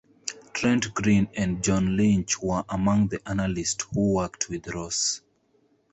Trent Green and John Lynch were among the analysts who worked with Rose.